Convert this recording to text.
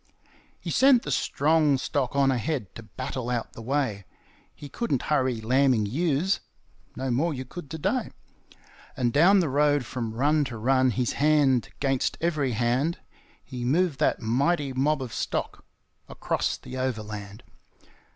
He sent the strong stock on ahead to battle out the way; He couldn't hurry lambing ewes no more you could to day And down the road, from run to run, his hand 'gainst every hand, He moved that mighty mob of stock across the Overland.